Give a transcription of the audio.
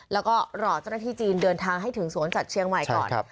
แล้วก็รอเจ้าหน้าที่จีนเดินทางให้ถึงสวนสัตว์เชียงใหม่ก่อน